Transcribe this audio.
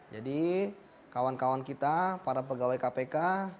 jadi kawan kawan kita para pegawai kpk